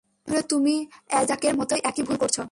তাহলে তুমি অ্যাজাকের মতই একই ভুল করছো।